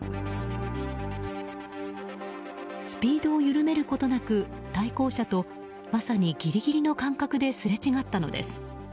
スピードを緩めることなく対向車とまさにギリギリの間隔ですれ違ったのです。